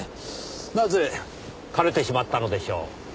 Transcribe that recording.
なぜ枯れてしまったのでしょう。